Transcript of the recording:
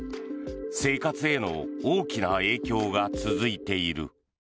生活への大きな影響が続いている。